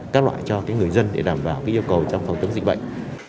các loại cho người dân để đảm bảo yêu cầu trong phòng chống dịch bệnh